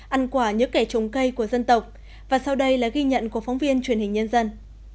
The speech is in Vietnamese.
ăn quả nhớ kẻ trồng cây của dân tộc và sau đây là ghi nhận của phóng viên truyền hình nhân dân